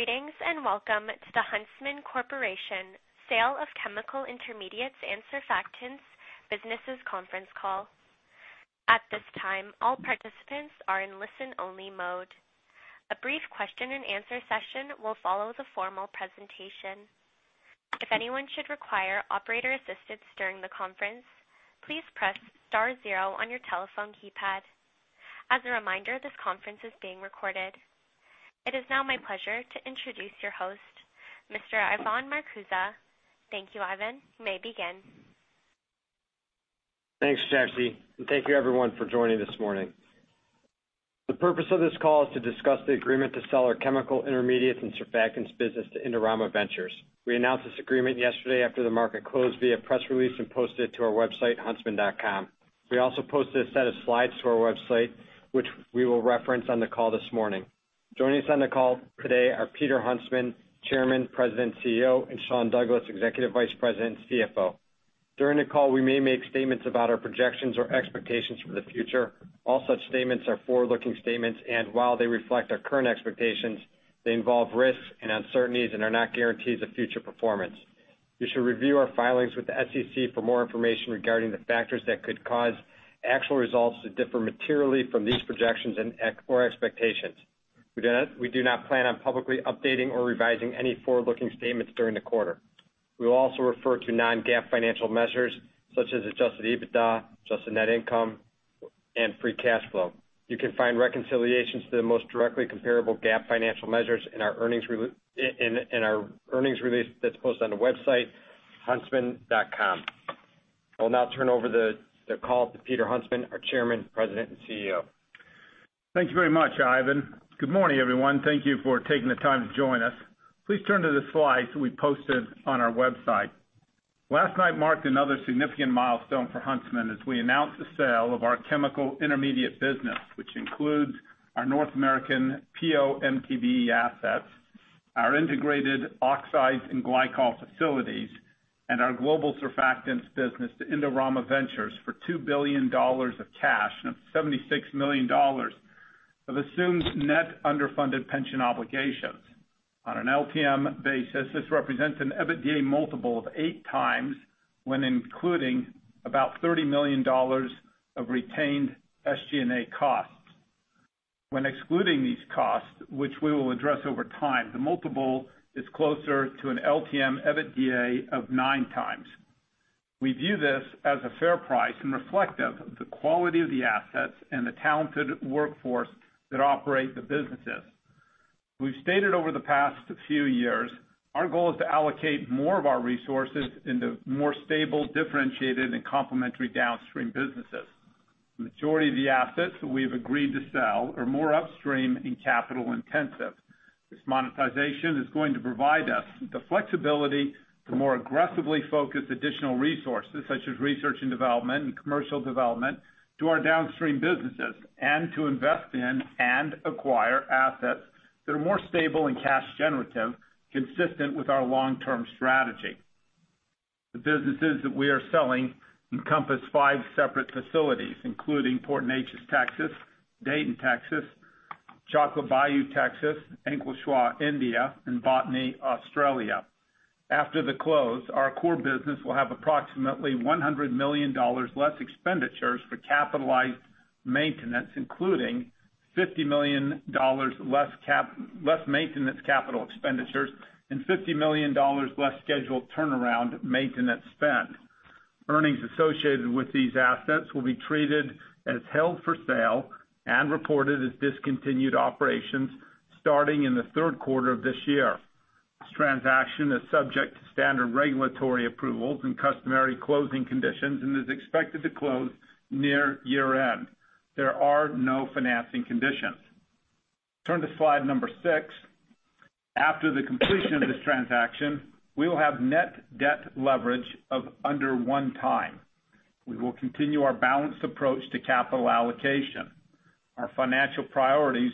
Greetings and welcome to the Huntsman Corporation Sale of Chemical Intermediates and Surfactants Businesses conference call. At this time, all participants are in listen-only mode. A brief question and answer session will follow the formal presentation. If anyone should require operator assistance during the conference, please press star 0 on your telephone keypad. As a reminder, this conference is being recorded. It is now my pleasure to introduce your host, Mr. Ivan Marcuse. Thank you, Ivan. You may begin. Thanks, Jackie. Thank you everyone for joining this morning. The purpose of this call is to discuss the agreement to sell our chemical intermediates and surfactants business to Indorama Ventures. We announced this agreement yesterday after the market closed via press release and posted it to our website, huntsman.com. We also posted a set of slides to our website, which we will reference on the call this morning. Joining us on the call today are Peter Huntsman, Chairman, President, and CEO, and Sean Douglas, Executive Vice President and CFO. During the call, we may make statements about our projections or expectations for the future. All such statements are forward-looking statements, and while they reflect our current expectations, they involve risks and uncertainties and are not guarantees of future performance. You should review our filings with the SEC for more information regarding the factors that could cause actual results to differ materially from these projections or expectations. We do not plan on publicly updating or revising any forward-looking statements during the quarter. We will also refer to non-GAAP financial measures such as adjusted EBITDA, adjusted net income, and free cash flow. You can find reconciliations to the most directly comparable GAAP financial measures in our earnings release that's posted on the website, huntsman.com. I will now turn over the call to Peter Huntsman, our Chairman, President, and CEO. Thank you very much, Ivan. Good morning, everyone. Thank you for taking the time to join us. Please turn to the slides we posted on our website. Last night marked another significant milestone for Huntsman as we announced the sale of our chemical intermediate business, which includes our North American PO, MTBE assets, our integrated oxides and glycol facilities, and our global surfactants business to Indorama Ventures for $2 billion of cash and $76 million of assumed net underfunded pension obligations. On an LTM basis, this represents an EBITDA multiple of eight times when including about $30 million of retained SG&A costs. When excluding these costs, which we will address over time, the multiple is closer to an LTM EBITDA of nine times. We view this as a fair price and reflective of the quality of the assets and the talented workforce that operate the businesses. We've stated over the past few years, our goal is to allocate more of our resources into more stable, differentiated, and complementary downstream businesses. The majority of the assets that we've agreed to sell are more upstream and capital intensive. This monetization is going to provide us the flexibility to more aggressively focus additional resources such as research and development and commercial development to our downstream businesses and to invest in and acquire assets that are more stable and cash generative, consistent with our long-term strategy. The businesses that we are selling encompass five separate facilities, including Port Neches, Texas, Dayton, Texas, Chocolate Bayou, Texas, Ankleshwar, India, and Botany, Australia. After the close, our core business will have approximately $100 million less expenditures for capitalized maintenance, including $50 million less maintenance capital expenditures and $50 million less scheduled turnaround maintenance spend. Earnings associated with these assets will be treated as held for sale and reported as discontinued operations starting in the third quarter of this year. This transaction is subject to standard regulatory approvals and customary closing conditions and is expected to close near year-end. There are no financing conditions. Turn to slide number six. After the completion of this transaction, we will have net debt leverage of under one time. We will continue our balanced approach to capital allocation. Our financial priorities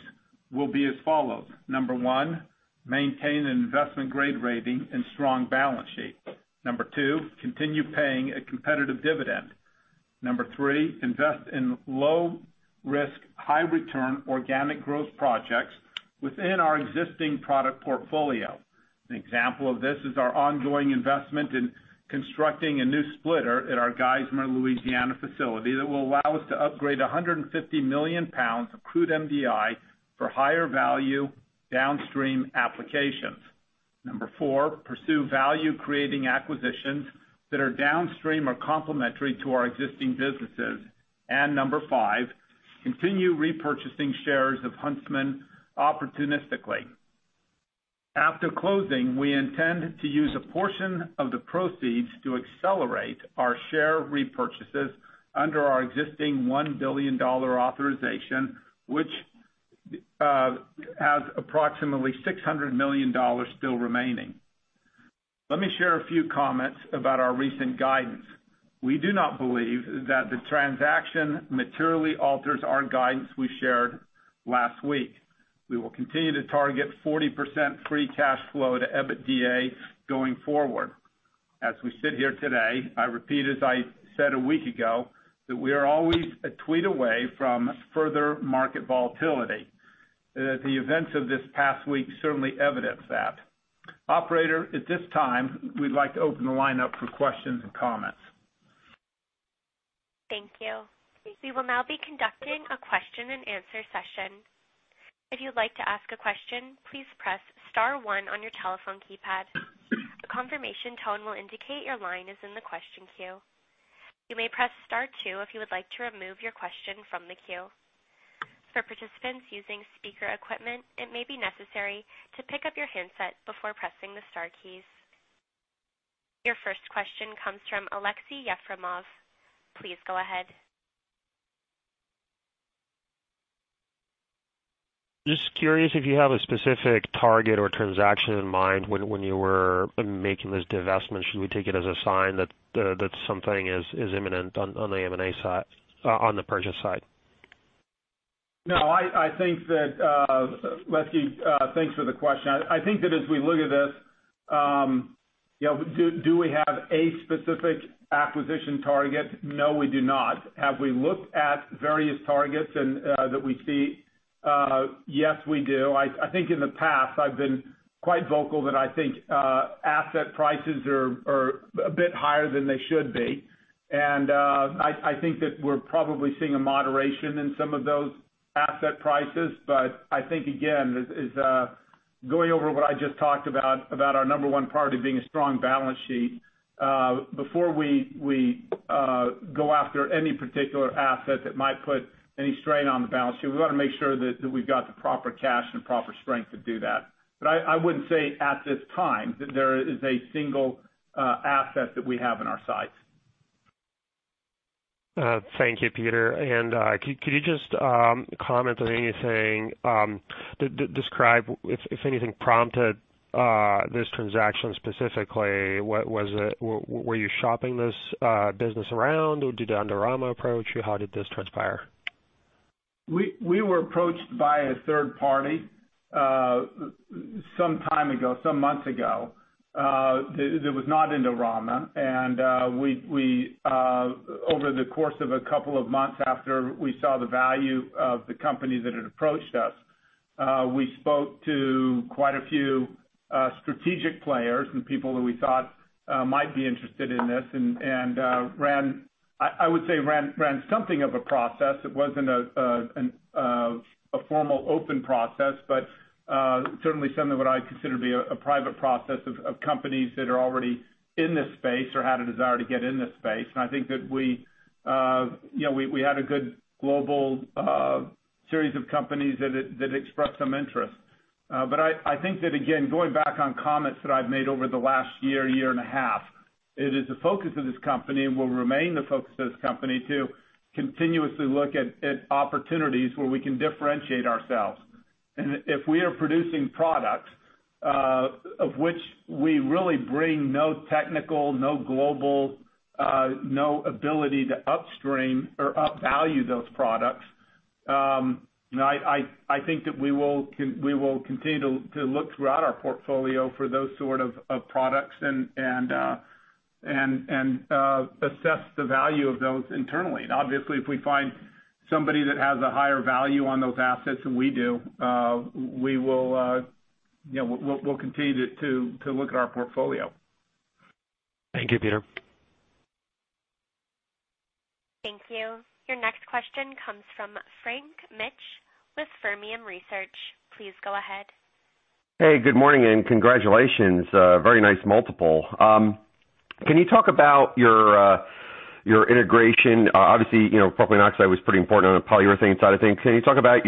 will be as follows. Number one, maintain an investment-grade rating and strong balance sheet. Number two, continue paying a competitive dividend. Number three, invest in low risk, high return organic growth projects within our existing product portfolio. An example of this is our ongoing investment in constructing a new splitter at our Geismar, Louisiana facility that will allow us to upgrade 150 million pounds of crude MDI for higher value downstream applications. Number 4, pursue value creating acquisitions that are downstream or complementary to our existing businesses. Number 5, continue repurchasing shares of Huntsman opportunistically. After closing, we intend to use a portion of the proceeds to accelerate our share repurchases under our existing $1 billion authorization, which has approximately $600 million still remaining. Let me share a few comments about our recent guidance. We do not believe that the transaction materially alters our guidance we shared last week. We will continue to target 40% free cash flow to EBITDA going forward. As we sit here today, I repeat as I said a week ago, that we are always a tweet away from further market volatility. The events of this past week certainly evidence that. Operator, at this time, we'd like to open the line up for questions and comments. Thank you. We will now be conducting a question and answer session. If you'd like to ask a question, please press star one on your telephone keypad. A confirmation tone will indicate your line is in the question queue. You may press star two if you would like to remove your question from the queue. For participants using speaker equipment, it may be necessary to pick up your handset before pressing the star keys. Your first question comes from Aleksey Yefremov. Please go ahead. Just curious if you have a specific target or transaction in mind when you were making this divestment? Should we take it as a sign that something is imminent on the purchase side? No. Aleksey, thanks for the question. I think that as we look at this, do we have a specific acquisition target? No, we do not. Have we looked at various targets that we see? Yes, we do. I think in the past, I've been quite vocal that I think asset prices are a bit higher than they should be, and I think that we're probably seeing a moderation in some of those asset prices. I think, again, going over what I just talked about our number 1 priority being a strong balance sheet. Before we go after any particular asset that might put any strain on the balance sheet, we want to make sure that we've got the proper cash and proper strength to do that. I wouldn't say at this time that there is a single asset that we have in our sights. Thank you, Peter. Could you just comment on anything, describe if anything prompted this transaction specifically? Were you shopping this business around, or did Indorama approach you? How did this transpire? We were approached by a third party some time ago, some months ago. It was not Indorama. Over the course of a couple of months after we saw the value of the company that had approached us, we spoke to quite a few strategic players and people who we thought might be interested in this and I would say ran something of a process. It wasn't a formal open process, but certainly something that I'd consider to be a private process of companies that are already in this space or had a desire to get in this space. I think that we had a good global series of companies that expressed some interest. I think that, again, going back on comments that I've made over the last year and a half, it is the focus of this company and will remain the focus of this company to continuously look at opportunities where we can differentiate ourselves. If we are producing products, of which we really bring no technical, no global, no ability to upstream or up-value those products, I think that we will continue to look throughout our portfolio for those sort of products and assess the value of those internally. Obviously, if we find somebody that has a higher value on those assets than we do, we'll continue to look at our portfolio. Thank you, Peter. Thank you. Your next question comes from Frank Mitsch with Fermium Research. Please go ahead. Hey, good morning, and congratulations. Very nice multiple. Can you talk about your integration? Obviously, propylene oxide was pretty important on the polyurethanes side of things. Can you talk about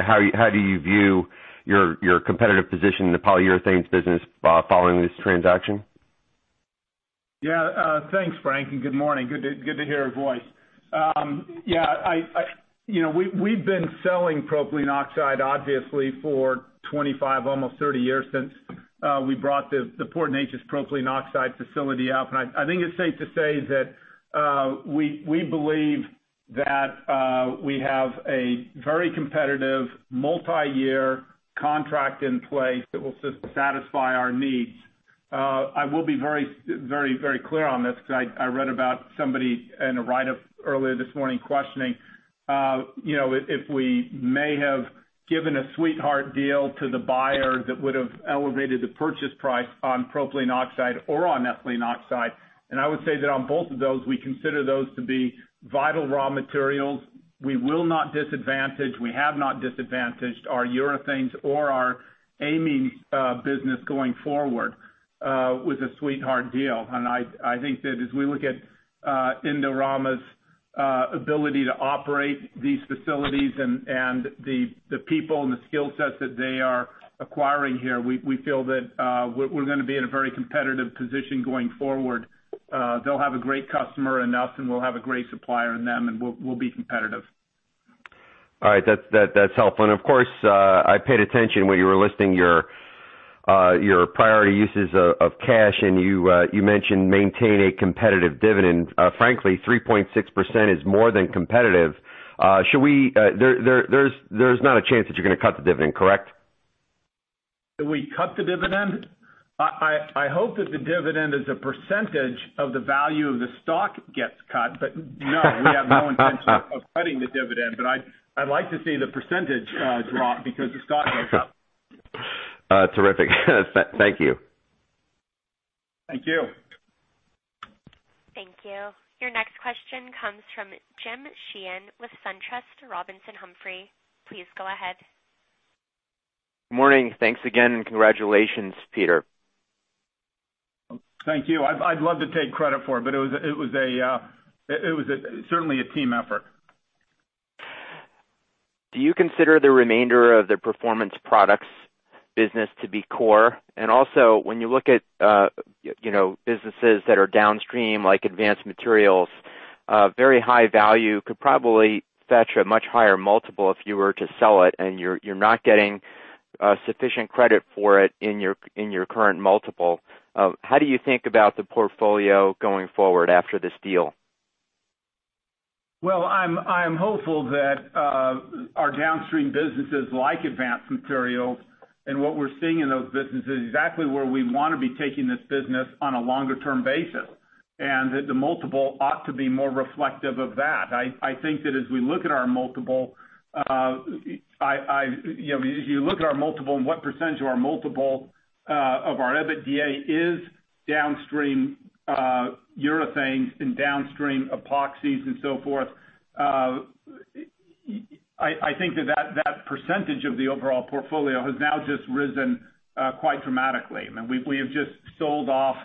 how do you view your competitive position in the Polyurethanes business following this transaction? Yeah. Thanks, Frank, and good morning. Good to hear your voice. We've been selling propylene oxide, obviously, for 25, almost 30 years, since we brought the Port Neches propylene oxide facility up. I think it's safe to say that we believe that we have a very competitive multi-year contract in place that will satisfy our needs. I will be very clear on this because I read about somebody in a write-up earlier this morning questioning if we may have given a sweetheart deal to the buyer that would have elevated the purchase price on propylene oxide or on ethylene oxide. I would say that on both of those, we consider those to be vital raw materials. We will not disadvantage, we have not disadvantaged our urethanes or our Advanced Materials business going forward with a sweetheart deal. I think that as we look at Indorama's ability to operate these facilities and the people and the skill sets that they are acquiring here, we feel that we're going to be in a very competitive position going forward. They'll have a great customer in us, and we'll have a great supplier in them, and we'll be competitive. All right. That's helpful. Of course, I paid attention when you were listing your priority uses of cash, and you mentioned maintain a competitive dividend. Frankly, 3.6% is more than competitive. There's not a chance that you're going to cut the dividend, correct? That we cut the dividend? I hope that the dividend as a percentage of the value of the stock gets cut. No, we have no intention of cutting the dividend. I'd like to see the percentage drop because the stock goes up. Terrific. Thank you. Thank you. Thank you. Your next question comes from James Sheehan with SunTrust Robinson Humphrey. Please go ahead. Morning. Thanks again and congratulations, Peter. Thank you. I'd love to take credit for it, but it was certainly a team effort. Do you consider the remainder of the Performance Products business to be core? Also when you look at businesses that are downstream, like Advanced Materials, very high value, could probably fetch a much higher multiple if you were to sell it and you're not getting sufficient credit for it in your current multiple. How do you think about the portfolio going forward after this deal? Well, I'm hopeful that our downstream businesses like Advanced Materials and what we're seeing in those businesses is exactly where we want to be taking this business on a longer term basis, and that the multiple ought to be more reflective of that. I think that as we look at our multiple and what percentage of our multiple of our EBITDA is downstream urethanes and downstream epoxies and so forth, I think that that percentage of the overall portfolio has now just risen quite dramatically. We have just sold off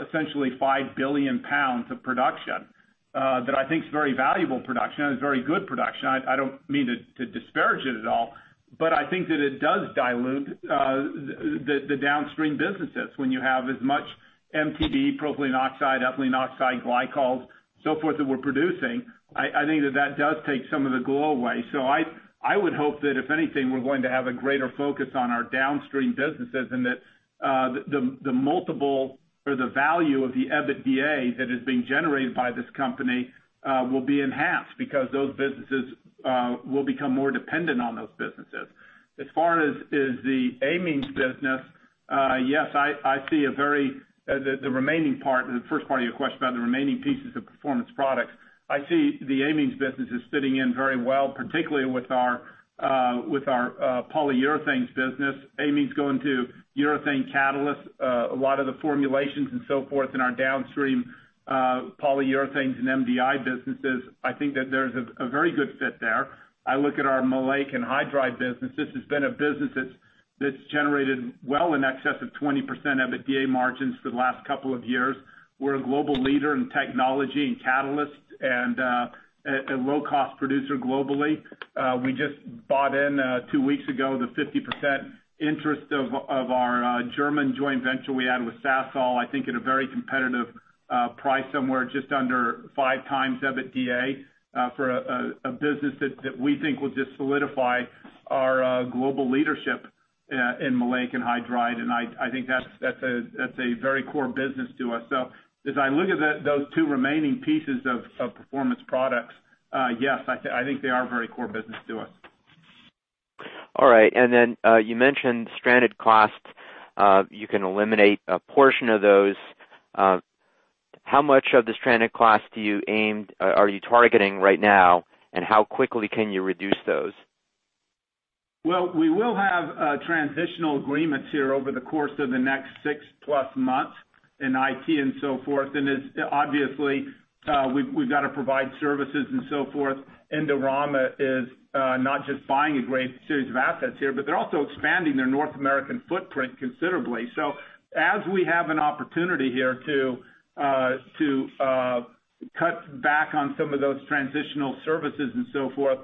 essentially 5 billion pounds of production, that I think is very valuable production and is very good production. I don't mean to disparage it at all, but I think that it does dilute the downstream businesses when you have as much MTBE, propylene oxide, ethylene oxide, glycols, so forth, that we're producing. I think that that does take some of the glow away. I would hope that if anything, we're going to have a greater focus on our downstream businesses and that the multiple or the value of the EBITDA that is being generated by this company will be enhanced because those businesses will become more dependent on those businesses. As far as the amines business, the first part of your question about the remaining pieces of Performance Products, I see the amines business is fitting in very well, particularly with our Polyurethanes business. Amines go into urethane catalysts, a lot of the formulations and so forth in our downstream Polyurethanes and MDI businesses. I think that there's a very good fit there. I look at our maleic anhydride business. This has been a business that's generated well in excess of 20% EBITDA margins for the last couple of years. We're a global leader in technology and catalysts and a low-cost producer globally. We just bought in two weeks ago, the 50% interest of our German joint venture we had with Sasol, I think at a very competitive price, somewhere just under five times EBITDA, for a business that we think will just solidify our global leadership in maleic anhydride. I think that's a very core business to us. As I look at those two remaining pieces of Performance Products, yes, I think they are very core business to us. All right. You mentioned stranded costs. You can eliminate a portion of those. How much of the stranded costs are you targeting right now, and how quickly can you reduce those? Well, we will have transitional agreements here over the course of the next six plus months in IT and so forth. Obviously, we've got to provide services and so forth. Indorama is not just buying a great series of assets here, but they're also expanding their North American footprint considerably. As we have an opportunity here to cut back on some of those transitional services and so forth,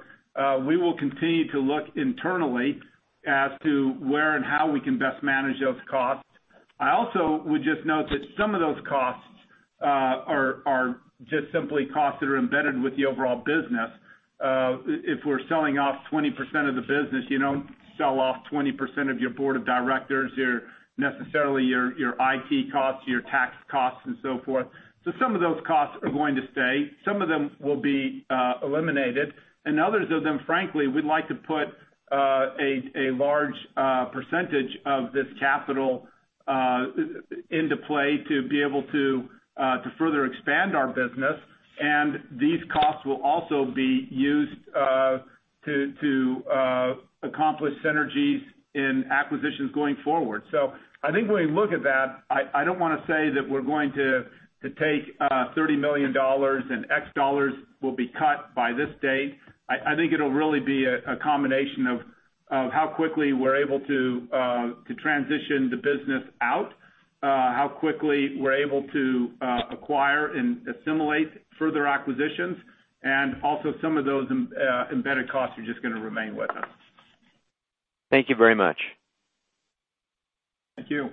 we will continue to look internally as to where and how we can best manage those costs. I also would just note that some of those costs are just simply costs that are embedded with the overall business. If we're selling off 20% of the business, you don't sell off 20% of your board of directors, necessarily your IT costs, your tax costs, and so forth. Some of those costs are going to stay. Some of them will be eliminated, and others of them, frankly, we'd like to put a large percentage of this capital into play to be able to further expand our business. These costs will also be used to accomplish synergies in acquisitions going forward. I think when we look at that, I don't want to say that we're going to take $30 million and X dollars will be cut by this date. I think it'll really be a combination of how quickly we're able to transition the business out, how quickly we're able to acquire and assimilate further acquisitions, and also some of those embedded costs are just going to remain with us. Thank you very much. Thank you.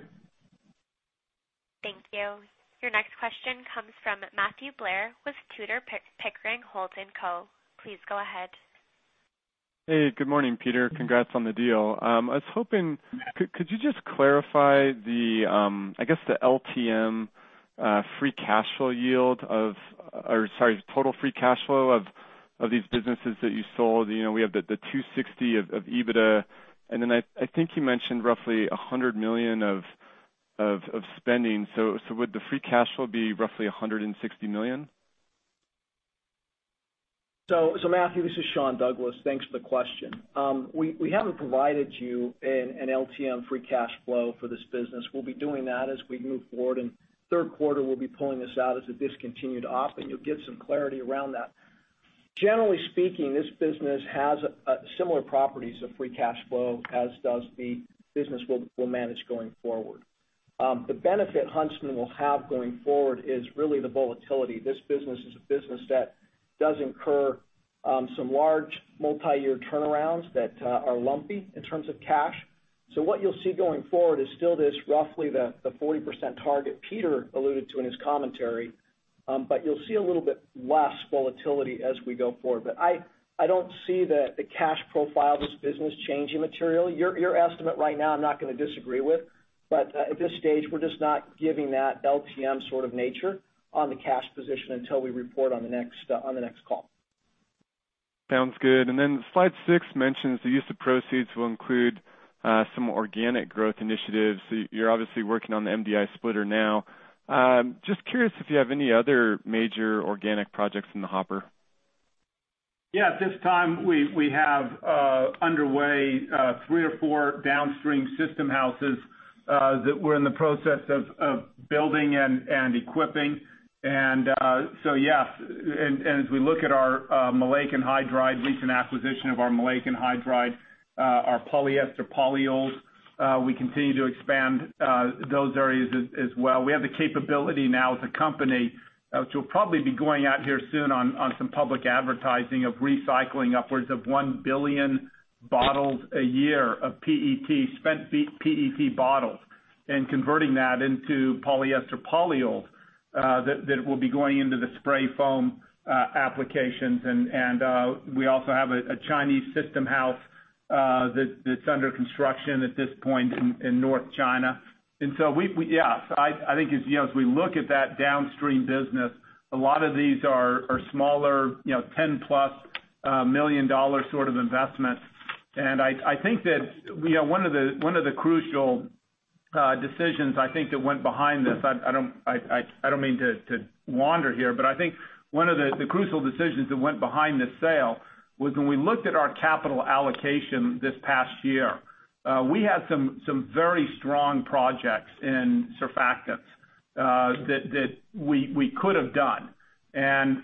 Thank you. Your next question comes from Matthew Blair with Tudor, Pickering, Holt & Co. Please go ahead. Hey, good morning, Peter. Congrats on the deal. I was hoping, could you just clarify the LTM free cash flow yield of Or sorry, total free cash flow of these businesses that you sold? We have the 260 of EBITDA, and then I think you mentioned roughly $100 million of spending. Would the free cash flow be roughly $160 million? Matthew, this is Sean Douglas. Thanks for the question. We haven't provided you an LTM free cash flow for this business. We'll be doing that as we move forward. In the third quarter, we'll be pulling this out as a discontinued op, and you'll get some clarity around that. Generally speaking, this business has similar properties of free cash flow, as does the business we'll manage going forward. The benefit Huntsman will have going forward is really the volatility. This business is a business that does incur some large multi-year turnarounds that are lumpy in terms of cash. What you'll see going forward is still this roughly the 40% target Peter alluded to in his commentary. You'll see a little bit less volatility as we go forward. I don't see the cash profile of this business changing material. Your estimate right now, I'm not going to disagree with, but at this stage, we're just not giving that LTM sort of nature on the cash position until we report on the next call. Sounds good. Slide six mentions the use of proceeds will include some organic growth initiatives. You're obviously working on the MDI splitter now. Just curious if you have any other major organic projects in the hopper. At this time, we have underway three or four downstream system houses that we're in the process of building and equipping. As we look at our maleic anhydride, recent acquisition of our maleic anhydride, our polyester polyols, we continue to expand those areas as well. We have the capability now as a company to probably be going out here soon on some public advertising of recycling upwards of 1 billion bottles a year of PET, spent PET bottles, and converting that into polyester polyols that will be going into the spray foam applications. We also have a Chinese system house that's under construction at this point in North China. I think as we look at that downstream business, a lot of these are smaller, $10-plus million sort of investments. I think that one of the crucial decisions, I don't mean to wander here, but I think one of the crucial decisions that went behind this sale was when we looked at our capital allocation this past year. We had some very strong projects in surfactants that we could have done.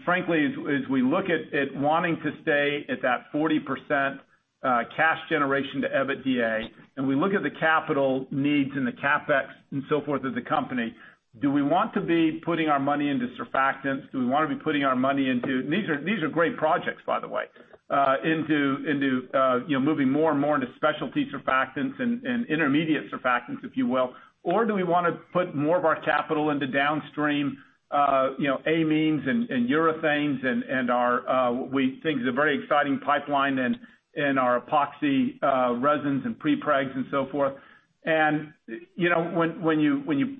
Frankly, as we look at wanting to stay at that 40% cash generation to EBITDA, and we look at the capital needs and the CapEx and so forth of the company, do we want to be putting our money into surfactants? These are great projects, by the way. Moving more and more into specialty surfactants and intermediate surfactants, if you will, do we want to put more of our CapEx into downstream amines and urethanes and our, we think, is a very exciting pipeline in our epoxy resins and prepregs and so forth. When you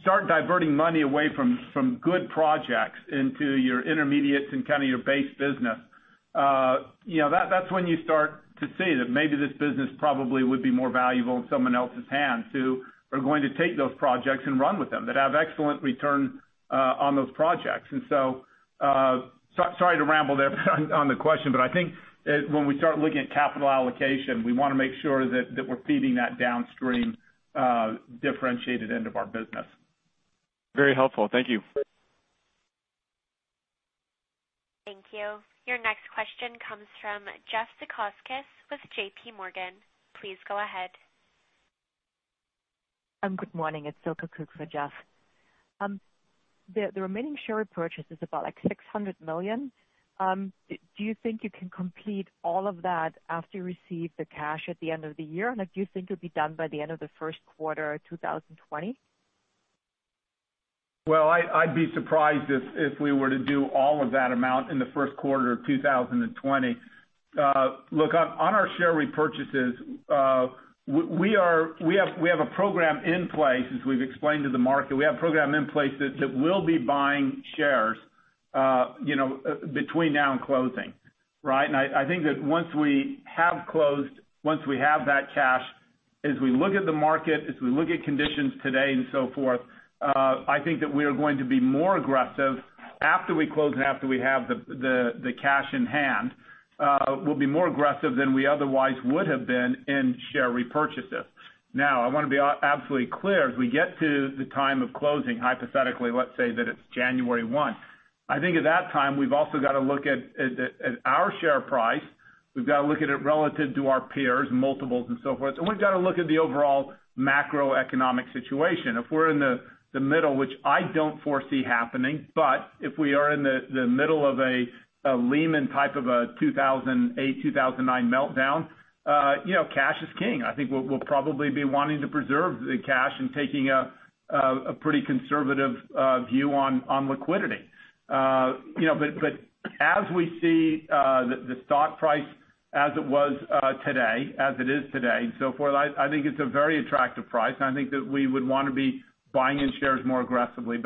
start diverting money away from good projects into your intermediates and kind of your base business, that's when you start to see that maybe this business probably would be more valuable in someone else's hands who are going to take those projects and run with them, that have excellent return on those projects. Sorry to ramble there on the question, I think when we start looking at capital allocation, we want to make sure that we're feeding that downstream differentiated end of our business. Very helpful. Thank you. Thank you. Your next question comes from Jeff Zekauskas with J.P. Morgan. Please go ahead. Good morning. It's Silke Kuk for Jeff. The remaining share repurchase is about like $600 million. Do you think you can complete all of that after you receive the cash at the end of the year? Do you think you'll be done by the end of the first quarter 2020? Well, I'd be surprised if we were to do all of that amount in the first quarter of 2020. Look, on our share repurchases, we have a program in place, as we've explained to the market. We have a program in place that will be buying shares between now and closing. Right? I think that once we have closed, once we have that cash, as we look at the market, as we look at conditions today and so forth, I think that we are going to be more aggressive after we close and after we have the cash in hand. We'll be more aggressive than we otherwise would have been in share repurchases. Now, I want to be absolutely clear. As we get to the time of closing, hypothetically, let's say that it's January 1. I think at that time, we've also got to look at our share price. We've got to look at it relative to our peers, multiples and so forth. We've got to look at the overall macroeconomic situation. If we're in the middle, which I don't foresee happening, but if we are in the middle of a Lehman type of a 2008, 2009 meltdown. Cash is king. I think we'll probably be wanting to preserve the cash and taking a pretty conservative view on liquidity. As we see the stock price as it is today and so forth, I think it's a very attractive price, and I think that we would want to be buying in shares more aggressively.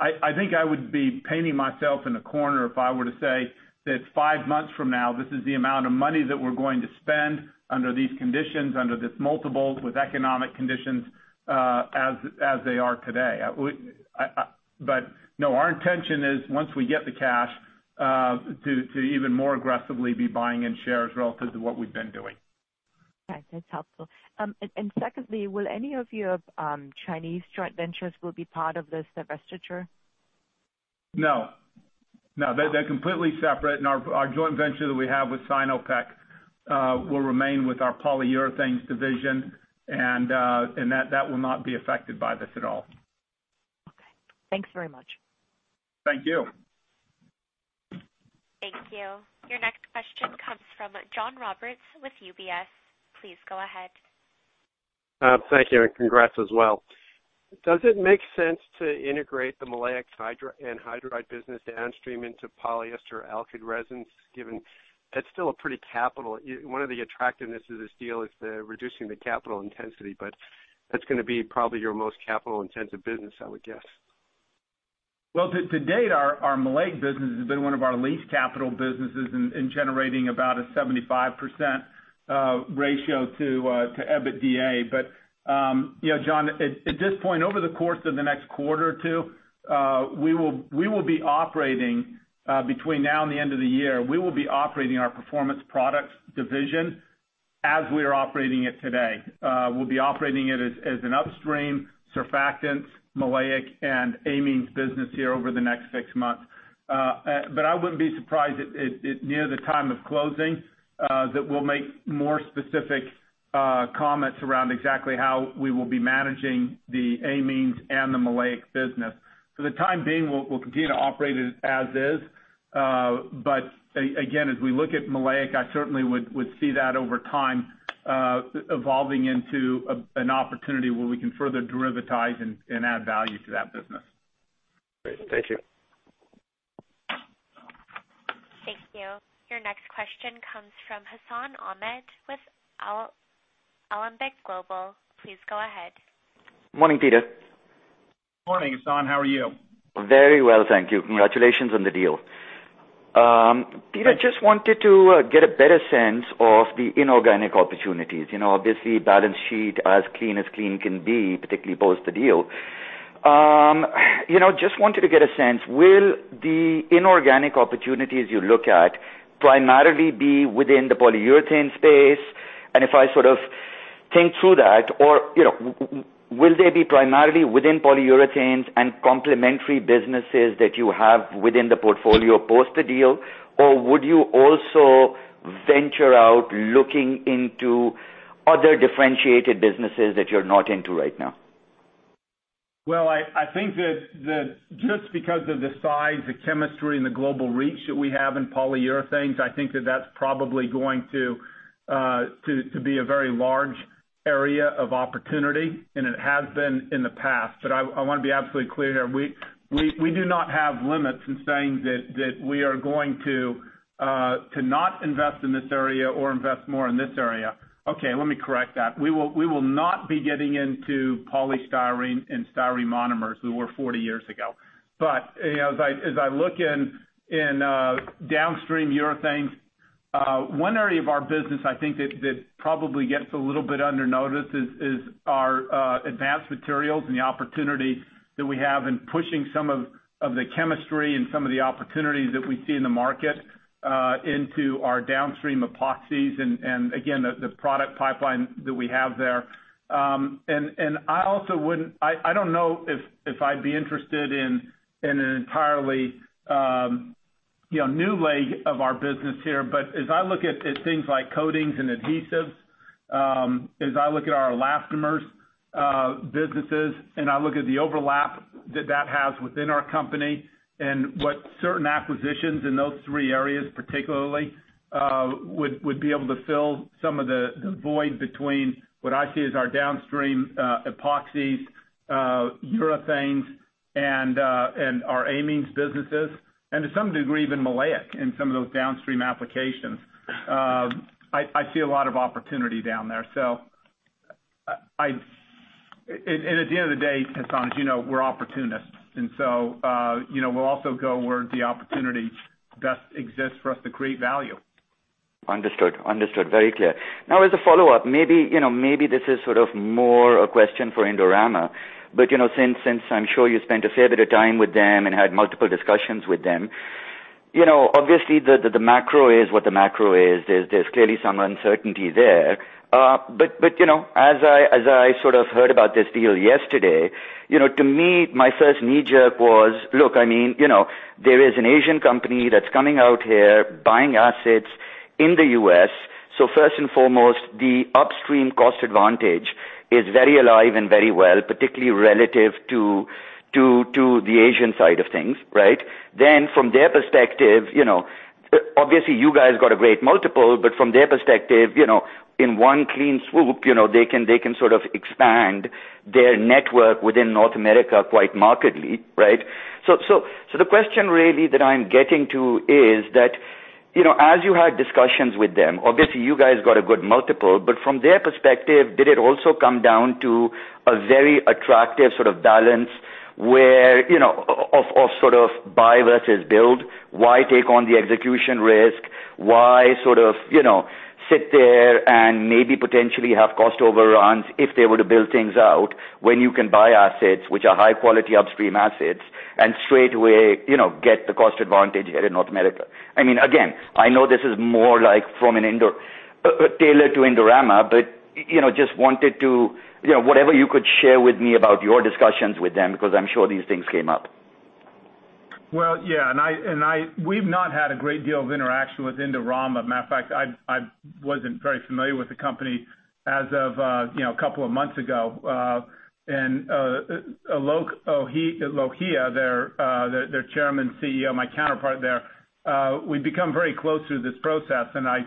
I think I would be painting myself in a corner if I were to say that five months from now, this is the amount of money that we're going to spend under these conditions, under this multiple, with economic conditions as they are today. No, our intention is, once we get the cash, to even more aggressively be buying in shares relative to what we've been doing. Okay. That's helpful. Secondly, will any of your Chinese joint ventures be part of this divestiture? No. They're completely separate, and our joint venture that we have with Sinopec will remain with our Polyurethanes division, and that will not be affected by this at all. Okay. Thanks very much. Thank you. Thank you. Your next question comes from John Roberts with UBS. Please go ahead. Thank you, congrats as well. Does it make sense to integrate the maleic anhydride business downstream into polyester alkyd resins, given that's still a pretty capital. One of the attractiveness of this deal is the reducing the capital intensity, but that's going to be probably your most capital-intensive business, I would guess. Well, to date, our maleic business has been one of our least capital businesses in generating about a 75% ratio to EBITDA. John, at this point, over the course of the next quarter or two, between now and the end of the year, we will be operating our Performance Products division as we're operating it today. We'll be operating it as an upstream surfactants, maleic and amines business here over the next six months. I wouldn't be surprised if near the time of closing, that we'll make more specific comments around exactly how we will be managing the amines and the maleic business. For the time being, we'll continue to operate it as is. Again, as we look at maleic, I certainly would see that over time evolving into an opportunity where we can further derivatize and add value to that business. Great. Thank you. Thank you. Your next question comes from Hassan Ahmed with Alembic Global. Please go ahead. Morning, Peter. Morning, Hassan. How are you? Very well, thank you. Congratulations on the deal. Thanks. Peter, just wanted to get a better sense of the inorganic opportunities. Obviously, balance sheet as clean as clean can be, particularly post the deal. Just wanted to get a sense. Will the inorganic opportunities you look at primarily be within the polyurethane space? If I sort of think through that, will they be primarily within polyurethanes and complementary businesses that you have within the portfolio post the deal? Would you also venture out looking into other differentiated businesses that you're not into right now? Well, I think that just because of the size, the chemistry and the global reach that we have in polyurethanes, I think that that's probably going to be a very large area of opportunity, and it has been in the past. I want to be absolutely clear here. We do not have limits in saying that we are going to not invest in this area or invest more in this area. Okay, let me correct that. We will not be getting into polystyrene and styrene monomers. We were 40 years ago. As I look in downstream urethanes, one area of our business I think that probably gets a little bit under-noticed is our Advanced Materials and the opportunity that we have in pushing some of the chemistry and some of the opportunities that we see in the market into our downstream epoxies and, again, the product pipeline that we have there. I don't know if I'd be interested in an entirely new leg of our business here. As I look at things like coatings and adhesives, as I look at our elastomers businesses, and I look at the overlap that that has within our company and what certain acquisitions in those three areas particularly would be able to fill some of the void between what I see as our downstream epoxies, urethanes, and our amines businesses, and to some degree, even maleic in some of those downstream applications. I see a lot of opportunity down there. At the end of the day, Hassan, as you know, we're opportunists, we'll also go where the opportunity best exists for us to create value. Understood. Very clear. As a follow-up, maybe this is sort of more a question for Indorama, but since I'm sure you spent a fair bit of time with them and had multiple discussions with them. Obviously, the macro is what the macro is. There's clearly some uncertainty there. As I sort of heard about this deal yesterday, to me, my first knee-jerk was, look, there is an Asian company that's coming out here buying assets in the U.S. First and foremost, the upstream cost advantage is very alive and very well, particularly relative to the Asian side of things, right? From their perspective, obviously you guys got a great multiple, but from their perspective, in one clean swoop, they can sort of expand their network within North America quite markedly, right. The question really that I'm getting to is that, as you had discussions with them, obviously you guys got a good multiple, but from their perspective, did it also come down to a very attractive sort of balance of sort of buy versus build? Why take on the execution risk? Why sort of sit there and maybe potentially have cost overruns if they were to build things out when you can buy assets, which are high-quality upstream assets, and straight away get the cost advantage here in North America? Again, I know this is more tailored to Indorama, but just wanted to whatever you could share with me about your discussions with them because I'm sure these things came up. Well, yeah. We've not had a great deal of interaction with Indorama. Matter of fact, I wasn't very familiar with the company as of a couple of months ago. Aloke Lohia, their Chairman, CEO, my counterpart there, we've become very close through this process, and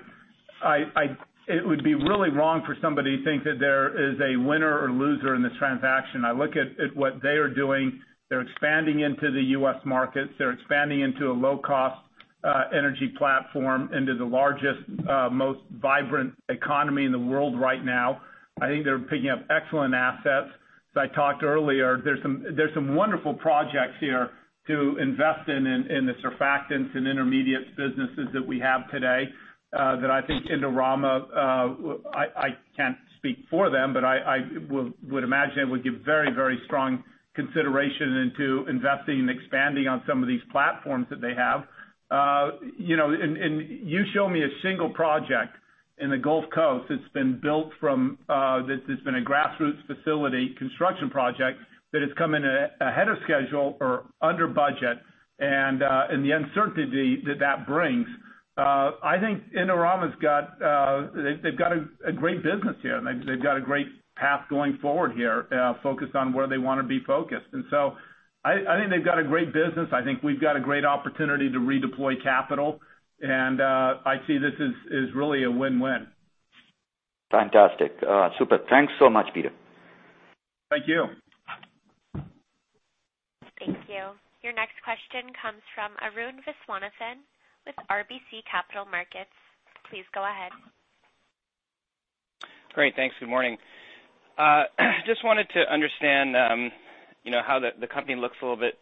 it would be really wrong for somebody to think that there is a winner or loser in this transaction. I look at what they are doing. They're expanding into the U.S. markets. They're expanding into a low-cost energy platform into the largest most vibrant economy in the world right now. I think they're picking up excellent assets. As I talked earlier, there are some wonderful projects here to invest in the surfactants and intermediates businesses that we have today that I think Indorama, I can't speak for them, but I would imagine it would give very strong consideration into investing and expanding on some of these platforms that they have. You show me a single project in the Gulf Coast that's been built that has been a grassroots facility construction project that has come in ahead of schedule or under budget and the uncertainty that that brings. I think Indorama's got a great business here, and they've got a great path going forward here focused on where they want to be focused. I think they've got a great business. I think we've got a great opportunity to redeploy capital, and I see this as really a win-win. Fantastic. Super. Thanks so much, Peter. Thank you. Thank you. Your next question comes from Arun Viswanathan with RBC Capital Markets. Please go ahead. Great. Thanks. Good morning. Just wanted to understand how the company looks a little bit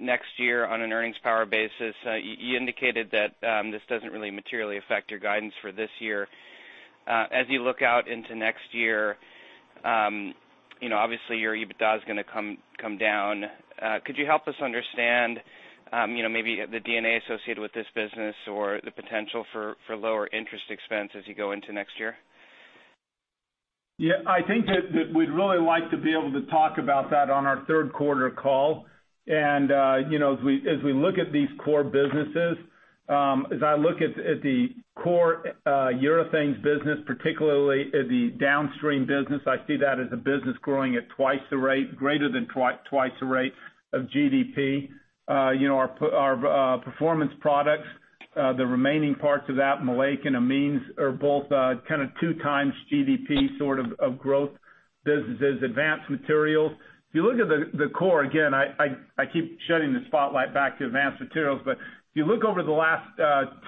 next year on an earnings power basis. You indicated that this doesn't really materially affect your guidance for this year. As you look out into next year, obviously your EBITDA is going to come down. Could you help us understand maybe the D&A associated with this business or the potential for lower interest expense as you go into next year? Yeah, I think that we'd really like to be able to talk about that on our third quarter call. As we look at these core businesses, as I look at the core Polyurethanes business, particularly at the downstream business, I see that as a business growing at greater than twice the rate of GDP. Our Performance Products, the remaining parts of that maleic and amines are both kind of two times GDP sort of growth businesses. Advanced Materials. If you look at the core, again, I keep shining the spotlight back to Advanced Materials, if you look over the last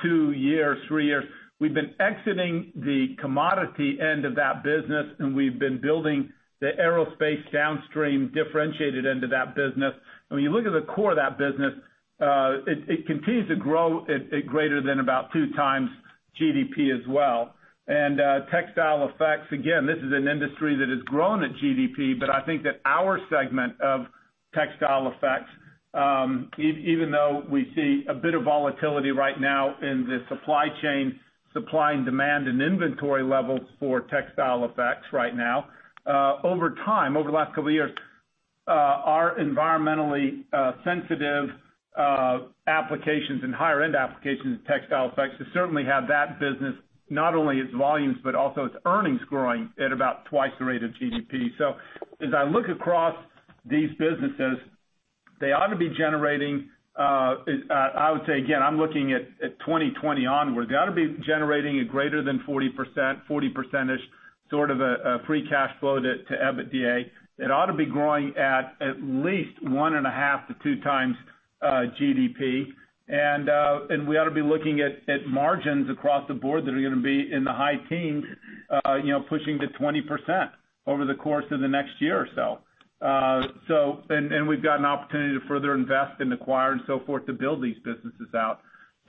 two years, three years, we've been exiting the commodity end of that business, and we've been building the aerospace downstream differentiated end of that business. When you look at the core of that business, it continues to grow at greater than about two times GDP as well. Textile Effects, again, this is an industry that has grown at GDP, but I think that our segment of Textile Effects, even though we see a bit of volatility right now in the supply chain, supply and demand and inventory levels for Textile Effects right now. Over time, over the last couple of years our environmentally sensitive applications and higher-end applications in Textile Effects has certainly had that business, not only its volumes, but also its earnings growing at about twice the rate of GDP. As I look across these businesses, they ought to be generating, I would say again, I'm looking at 2020 onwards. They ought to be generating a greater than 40%, sort of a free cash flow to EBITDA. It ought to be growing at least one and a half to two times GDP. We ought to be looking at margins across the board that are going to be in the high teens pushing to 20% over the course of the next year or so. We've got an opportunity to further invest and acquire and so forth to build these businesses out.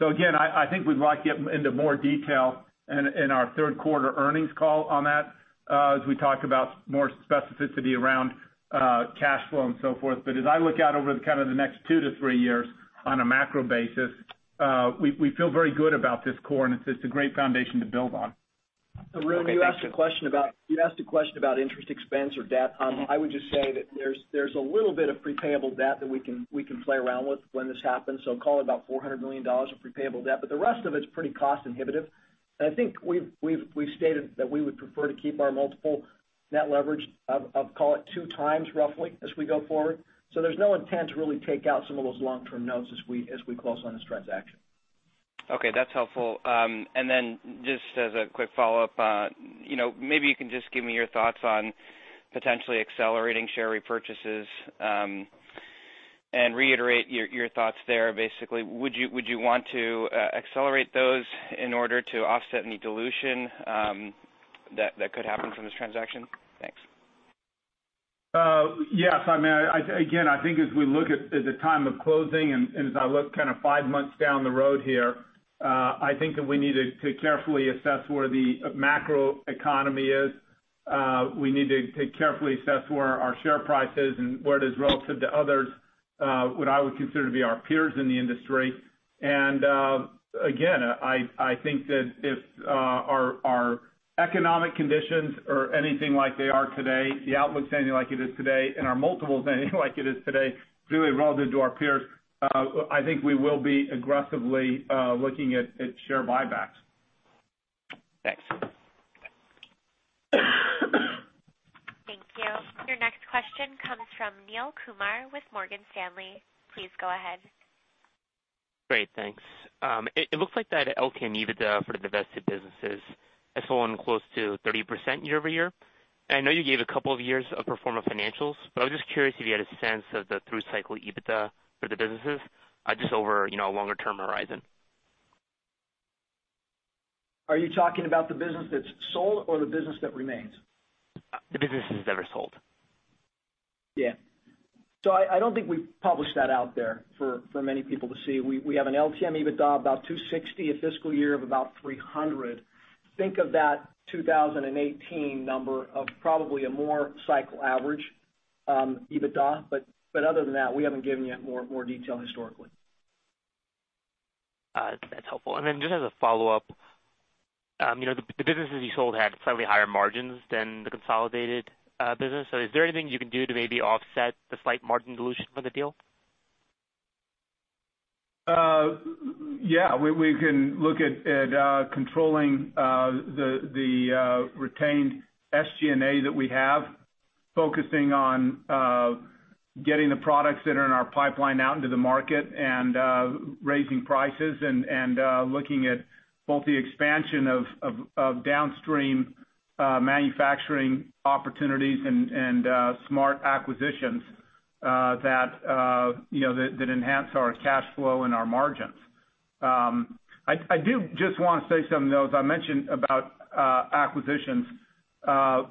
Again, I think we'd like to get into more detail in our third quarter earnings call on that as we talk about more specificity around cash flow and so forth. As I look out over kind of the next two to three years on a macro basis, we feel very good about this core and it's a great foundation to build on. Okay. Thank you. Arun, you asked a question about interest expense or debt. I would just say that there's a little bit of pre-payable debt that we can play around with when this happens. Call it about $400 million of pre-payable debt, but the rest of it's pretty cost inhibitive. I think we've stated that we would prefer to keep our multiple net leverage of, call it two times, roughly, as we go forward. There's no intent to really take out some of those long-term notes as we close on this transaction. Okay, that's helpful. Just as a quick follow-up, maybe you can just give me your thoughts on potentially accelerating share repurchases, and reiterate your thoughts there, basically. Would you want to accelerate those in order to offset any dilution that could happen from this transaction? Thanks. Yes. Again, I think as we look at the time of closing and as I look five months down the road here, I think that we need to carefully assess where the macroeconomy is. We need to carefully assess where our share price is and where it is relative to others, what I would consider to be our peers in the industry. Again, I think that if our economic conditions are anything like they are today, the outlook's anything like it is today, and our multiple's anything like it is today, really relative to our peers, I think we will be aggressively looking at share buybacks. Thanks. Thank you. Your next question comes from Neel Kumar with Morgan Stanley. Please go ahead. Great, thanks. It looks like that LTM EBITDA for the divested businesses has fallen close to 30% year-over-year. I know you gave a couple of years of pro forma financials, but I was just curious if you had a sense of the through-cycle EBITDA for the businesses, just over a longer-term horizon. Are you talking about the business that's sold or the business that remains? The businesses that are sold. I don't think we've published that out there for many people to see. We have an LTM EBITDA of about $260, a fiscal year of about $300. Think of that 2018 number of probably a more cycle average EBITDA. Other than that, we haven't given you more detail historically. That's helpful. Just as a follow-up, the businesses you sold had slightly higher margins than the consolidated business. Is there anything you can do to maybe offset the slight margin dilution for the deal? Yeah. We can look at controlling the retained SG&A that we have, focusing on getting the products that are in our pipeline out into the market and raising prices and looking at both the expansion of downstream manufacturing opportunities and smart acquisitions that enhance our cash flow and our margins. I do just want to say something, though, as I mentioned about acquisitions. I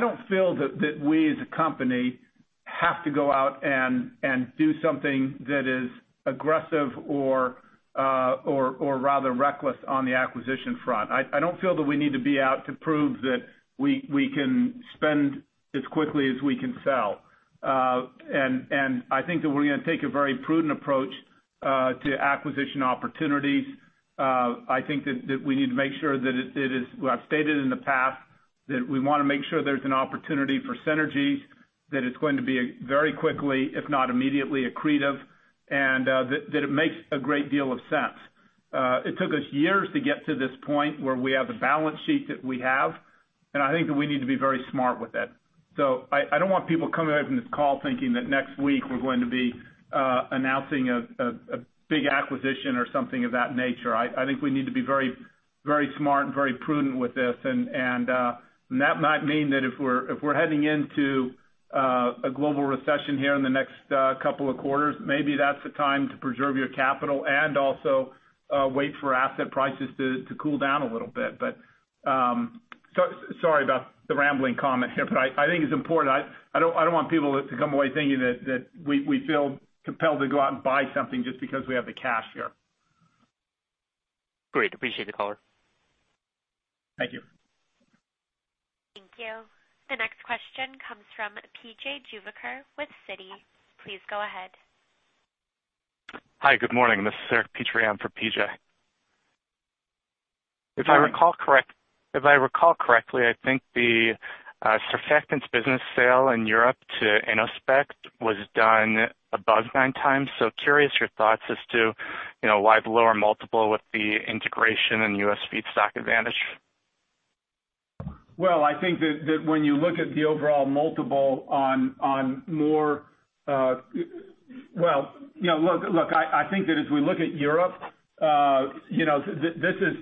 don't feel that we as a company have to go out and do something that is aggressive or rather reckless on the acquisition front. I don't feel that we need to be out to prove that we can spend as quickly as we can sell. I think that we're going to take a very prudent approach to acquisition opportunities. I think that we need to make sure that, well, I've stated in the past that we want to make sure there's an opportunity for synergies, that it's going to be very quickly, if not immediately, accretive, and that it makes a great deal of sense. It took us years to get to this point where we have the balance sheet that we have, and I think that we need to be very smart with it. I don't want people coming away from this call thinking that next week we're going to be announcing a big acquisition or something of that nature. I think we need to be very smart and very prudent with this. That might mean that if we're heading into a global recession here in the next couple of quarters, maybe that's the time to preserve your capital and also wait for asset prices to cool down a little bit. Sorry about the rambling comment here, but I think it's important. I don't want people to come away thinking that we feel compelled to go out and buy something just because we have the cash here. Great. Appreciate the color. Thank you. Thank you. The next question comes from P.J. Juvekar with Citi. Please go ahead. Hi, good morning. This is Eric Petrie on for P.J. Morning. If I recall correctly, I think the surfactants business sale in Europe to Innospec was done above nine times. Curious your thoughts as to why the lower multiple with the integration and U.S. feedstock advantage? Well, I think that when you look at the overall multiple on well, look, I think that as we look at Europe,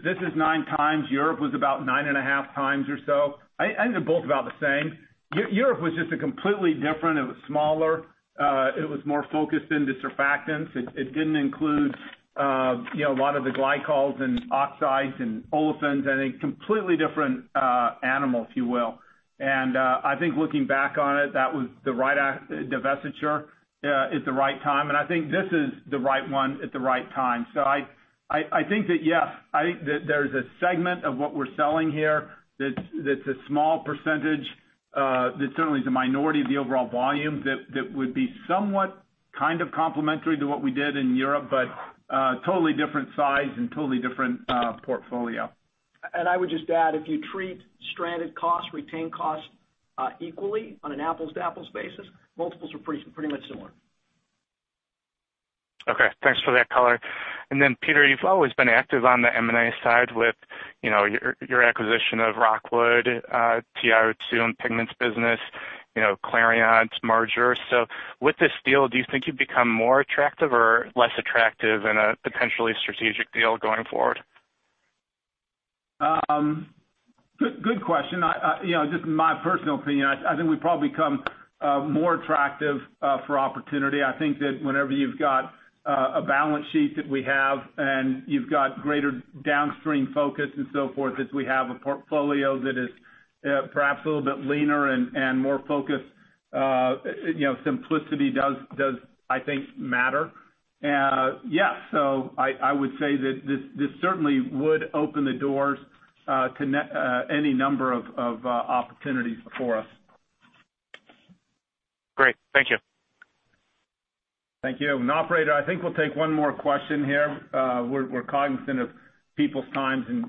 this is nine times. Europe was about nine and a half times or so. I think they're both about the same. Europe was just a completely different, it was smaller, it was more focused into surfactants. It didn't include a lot of the glycols and oxides and olefins and a completely different animal, if you will. I think looking back on it, that was the right divestiture at the right time. I think this is the right one at the right time. I think that, yes, I think that there's a segment of what we're selling here that's a small %. That certainly is a minority of the overall volume that would be somewhat kind of complementary to what we did in Europe, but totally different size and totally different portfolio. I would just add, if you treat stranded costs, retained costs equally on an apples-to-apples basis, multiples are pretty much similar. Okay, thanks for that color. Peter, you've always been active on the M&A side with your acquisition of Rockwood, TiO2 pigments business, Clariant's merger. With this deal, do you think you've become more attractive or less attractive in a potentially strategic deal going forward? Good question. Just my personal opinion, I think we've probably become more attractive for opportunity. I think that whenever you've got a balance sheet that we have, and you've got greater downstream focus and so forth, as we have, a portfolio that is perhaps a little bit leaner and more focused, simplicity does, I think, matter. Yeah. I would say that this certainly would open the doors to any number of opportunities for us. Great. Thank you. Thank you. Operator, I think we'll take one more question here. We're cognizant of people's times and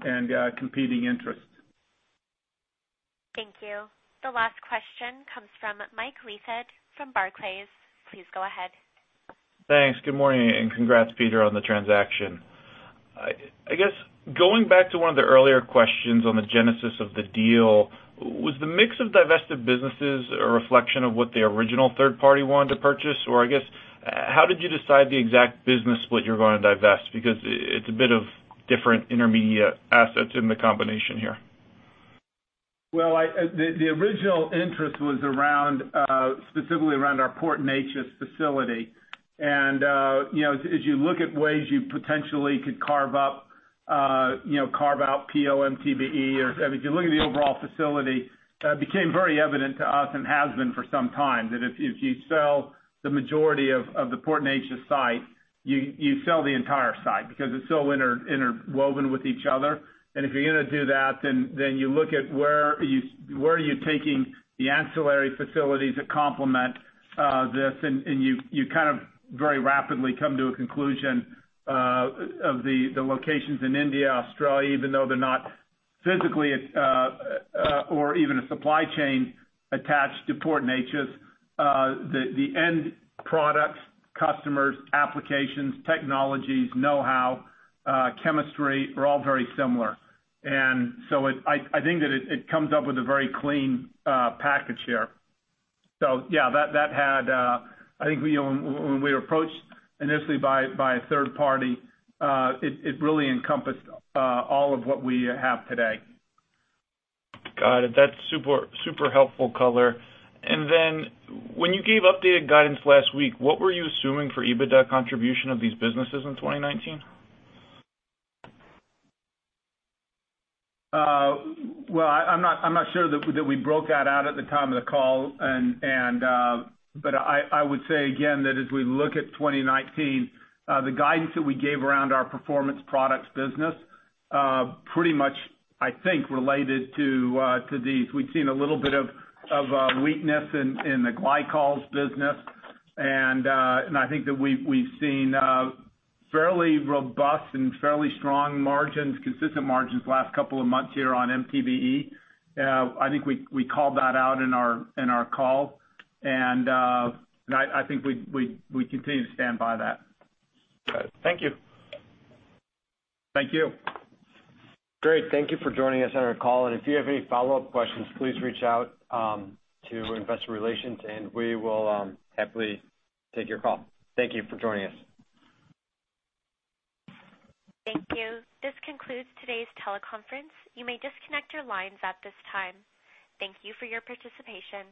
competing interests. Thank you. The last question comes from Michael Leithead from Barclays. Please go ahead. Thanks. Good morning. Congrats, Peter, on the transaction. I guess, going back to one of the earlier questions on the genesis of the deal, was the mix of divested businesses a reflection of what the original third party wanted to purchase? I guess, how did you decide the exact business split you were going to divest? It's a bit of different intermediate assets in the combination here. Well, the original interest was specifically around our Port Neches facility. As you look at ways you potentially could carve out PO/MTBE, or if you look at the overall facility, it became very evident to us, and has been for some time, that if you sell the majority of the Port Neches site, you sell the entire site, because it's so interwoven with each other. If you're going to do that, you look at where are you taking the ancillary facilities that complement this, and you very rapidly come to a conclusion of the locations in India, Australia, even though they're not physically or even a supply chain attached to Port Neches. The end products, customers, applications, technologies, know-how, chemistry, are all very similar. I think that it comes up with a very clean package here. Yeah, I think when we were approached initially by a third party, it really encompassed all of what we have today. Got it. That's super helpful color. When you gave updated guidance last week, what were you assuming for EBITDA contribution of these businesses in 2019? Well, I'm not sure that we broke that out at the time of the call. I would say again, that as we look at 2019, the guidance that we gave around our Performance Products business pretty much, I think, related to these. We've seen a little bit of weakness in the glycols business. I think that we've seen fairly robust and fairly strong margins, consistent margins the last couple of months here on MTBE. I think we called that out in our call. I think we continue to stand by that. Got it. Thank you. Thank you. Great. Thank you for joining us on our call. If you have any follow-up questions, please reach out to investor relations, and we will happily take your call. Thank you for joining us. Thank you. This concludes today's teleconference. You may disconnect your lines at this time. Thank you for your participation.